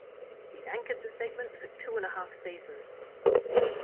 He anchored the segment for two-and-a-half seasons.